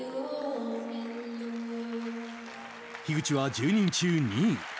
樋口は１０人中２位。